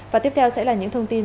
và tiếp theo sẽ là những thông tin